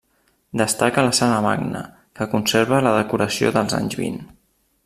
Destaca la Sala Magna, que conserva la decoració dels anys vint.